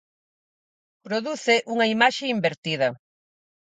produce unha imaxe invertida.